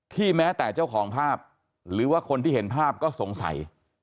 แม้แต่เจ้าของภาพหรือว่าคนที่เห็นภาพก็สงสัย